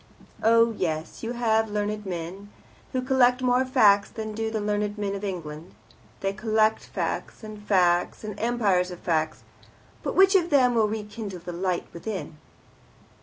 Oh, yes, you have learned men, who collect more facts than do the learned men of England. They collect facts, and facts, and empires of facts. But which of them will rekindle the light within?"